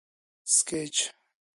سکیچ